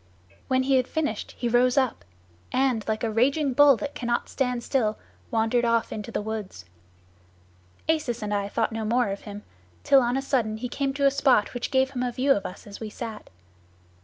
"When he had finished he rose up, and, like a raging bull that cannot stand still, wandered off into the woods. Acis and I thought no more of him, till on a sudden he came to a spot which gave him a view of us as we sat.